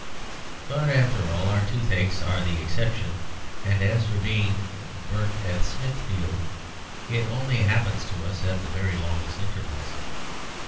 But, after all, our toothaches are the exception, and as for being burnt at Smithfield, it only happens to us at the very longest intervals.